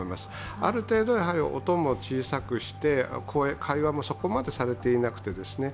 ある程度、やはり音も小さくして、会話もそこまでされていなくてですね